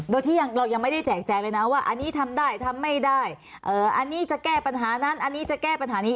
โดยที่เรายังไม่ได้แจกแจงเลยนะว่าอันนี้ทำได้ทำไม่ได้อันนี้จะแก้ปัญหานั้นอันนี้จะแก้ปัญหานี้